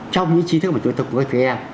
trong những chi thức mà tôi thuộc với các em